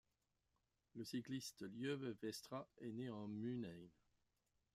Le cycliste Lieuwe Westra est né en Mûnein.